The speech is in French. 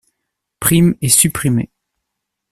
Prime est supprimé.